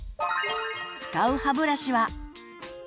使う歯ブラシは。